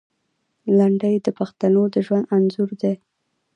لنډۍ د پښتنو د ژوند انځور دی.